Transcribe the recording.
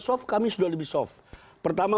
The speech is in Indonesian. soft kami sudah lebih soft pertama